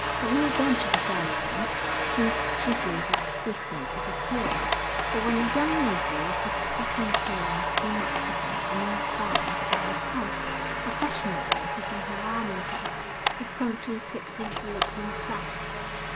But no adventure befell him, thanks chiefly to the swiftness of his heels, for when a young lady of prepossessing appearance came up to him and inquired after his health, affectionately putting her arm in his, he promptly took to his legs and fled.